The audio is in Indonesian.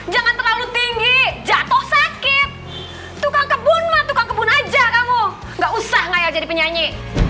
jangan terlalu tinggi jatuh sakit tukang kebun mati kebun aja kamu enggak usah ngayak jadi penyanyi